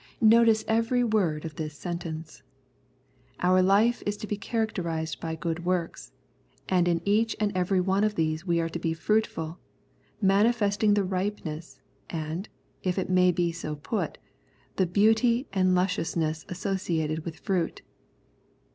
^^ Notice every word of this sentence. Our life is to be characterised by good works, and in each and every one of these we are to be fruitful, manifesting the ripeness, and, if it may be so put, the beauty and lusciousness associated with fruit.